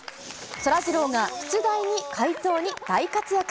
そらジローが出題に、解答に大活躍。